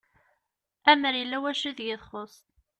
Amer yella wacu deg i txuss